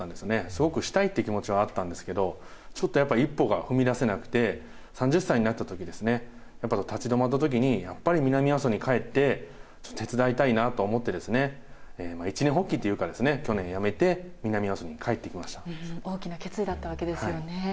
すごくしたいっていう気持ちはあったんですけど、ちょっとやっぱり一歩が踏み出せなくて、３０歳になったときですね、やっぱり立ち止まったときに、やっぱり南阿蘇に帰って、手伝いたいなと思ってですね、一念発起というか、去年辞めて、南阿蘇に帰ってきまし大きな決意だったわけですよね。